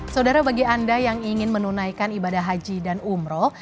saudara bagi anda yang ingin menunaikan ibadah haji dan umroh